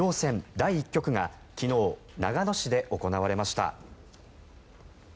第１局が昨日、長野市で行われました。